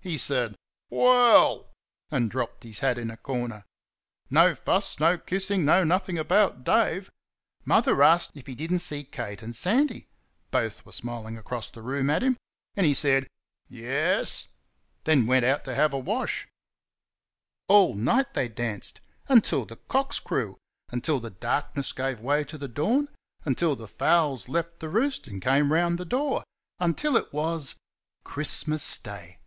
He said "Well!" and dropped his hat in a corner. No fuss, no kissing, no nothing about Dave. Mother asked if he did n't see Kate and Sandy (both were smiling across the room at him), and he said "Yairs"; then went out to have a wash. All night they danced until the cocks crew until the darkness gave way to the dawn until the fowls left the roost and came round the door until it was Christmas Day!